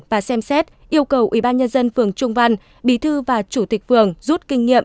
và xem xét yêu cầu ủy ban nhân dân phường trung văn bí thư và chủ tịch phường rút kinh nghiệm